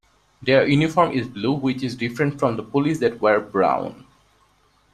Their uniform is Blue which is different from the Police that wear Brown.